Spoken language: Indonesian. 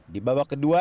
di bawah kedua